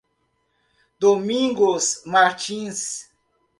Domingos Martins